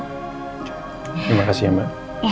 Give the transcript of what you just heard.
terima kasih ya mbak